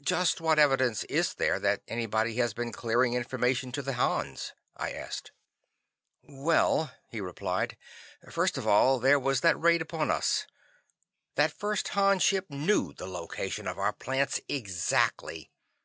"Just what evidence is there that anybody has been clearing information to the Hans?" I asked. "Well," he replied, "first of all there was that raid upon us. That first Han ship knew the location of our plants exactly.